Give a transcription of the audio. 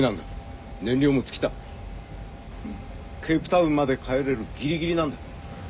燃料も尽きたケープタウンまで帰れるギリギリなんだ